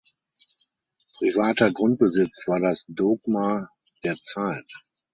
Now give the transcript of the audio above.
Privater Grundbesitz war das Dogma der Zeit.